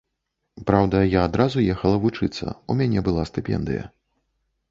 Праўда, я адразу ехала вучыцца, у мяне была стыпендыя.